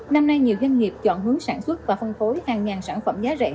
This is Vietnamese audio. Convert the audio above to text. năm nay nhiều doanh nghiệp chọn hướng sản xuất và phân phối hàng ngàn sản phẩm giá rẻ